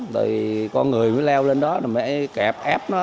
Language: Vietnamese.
rồi con người mới leo lên đó là mới kẹp ép nó